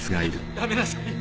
やめなさい！